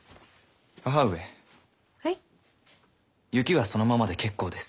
裄はそのままで結構です。